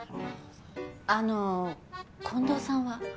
あの近藤さんは？